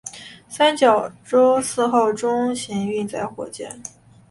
三角洲四号中型运载火箭。